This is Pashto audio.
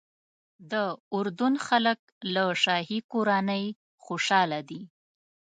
د اردن خلک له شاهي کورنۍ خوشاله دي.